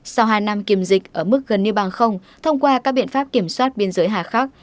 sau hai năm kiểm dịch ở mức gần như bằng thông qua các biện pháp kiểm soát biên giới hà khắc